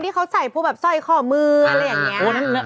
เทนจากคนที่เขาใส่สร้อยข้อมืออะไรอย่างนี้